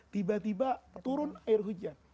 tiba tiba turun air hujan